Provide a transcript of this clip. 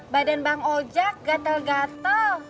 badan bang ojek gatel gatel